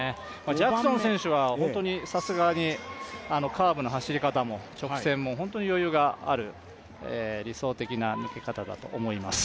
ジャクソン選手は、本当にさすがにカーブの走り方も直線も本当に余裕がある抜け方だと思います。